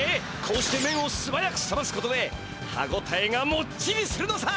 こうしてめんをすばやくさますことで歯ごたえがモッチリするのさ！